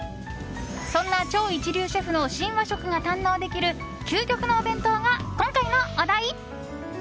そんな超一流シェフの新和食が堪能できる究極のお弁当が今回のお題。